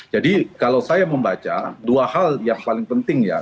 jadi kalau saya membaca dua hal yang paling penting ya